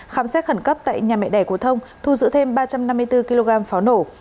khám xét khẩn cấp tại nhà mẹ đẻ của thông thu giữ thêm ba trăm năm mươi bốn kg pháo nổ